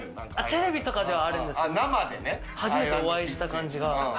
テレビではありますけど、生では初めてお会いした感じが。